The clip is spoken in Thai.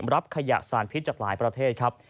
รับขยะสารพิษจากหลายประเทศครับ